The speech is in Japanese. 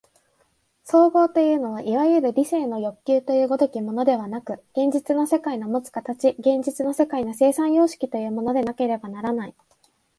綜合というのはいわゆる理性の要求という如きものではなく、現実の世界のもつ形、現実の世界の生産様式というものでなければならない。